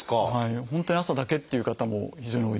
本当に朝だけっていう方も非常に多いです。